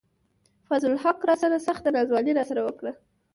فضل الحق راسره سخته ناځواني راسره وڪړه